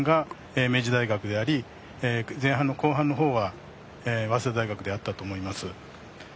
それが前半が明治大学であり前半の後半の方は早稲田大学であったと思います。